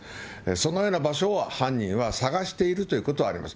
そのような場所を、犯人は探しているということはあります。